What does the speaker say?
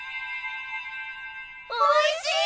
おいしい！